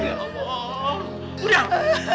pelan pelan nabek bang